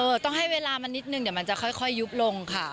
ต้องให้เวลามันนิดนึงเดี๋ยวมันจะค่อยยุบลงค่ะ